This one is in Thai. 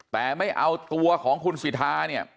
แต่ไม่เอาตัวของคุณสิทธาเนี่ย